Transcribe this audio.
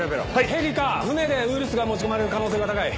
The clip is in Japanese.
ヘリか船でウイルスが持ち込まれる可能性が高い。